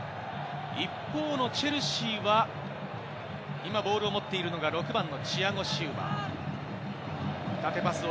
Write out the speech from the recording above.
一方のチェルシーは今ボールを持っているのが６番のチアゴ・シウバ。